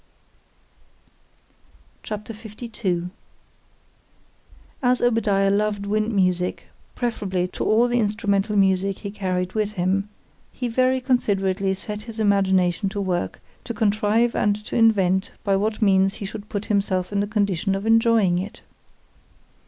_" C H A P. LII AS Obadiah loved wind music preferably to all the instrumental music he carried with him,—he very considerately set his imagination to work, to contrive and to invent by what means he should put himself in a condition of enjoying it.